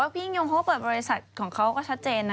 พี่ยงโฮเปิดบริษัทของเขาก็ชัดเจนนะ